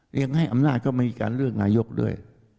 เรียกให้อำนาจเขามีการเลือกนายกด้วย